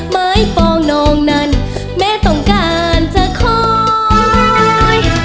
ไม้ปองน้องนั้นแม่ต้องการจะคอย